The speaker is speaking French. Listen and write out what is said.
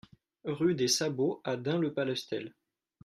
Rue des Sabots à Dun-le-Palestel